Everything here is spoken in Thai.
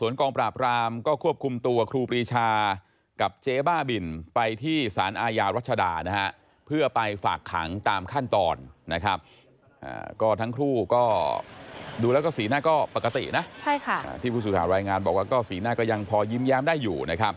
ดูแล้วก็สีหน้าก็ปกตินะใช่ค่ะที่ผู้สูตรรายงานบอกว่าก็สีหน้าก็ยังพอยิ้มแย้มได้อยู่นะครับ